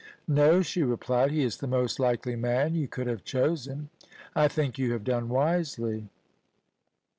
No,' she replied * He is the most likely man you could have chosen. I think you have done wisely.